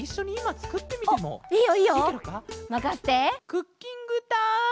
クッキングタイム！